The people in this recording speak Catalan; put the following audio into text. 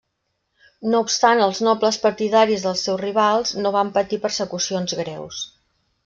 No obstant els nobles partidaris dels seus rivals no van patir persecucions greus.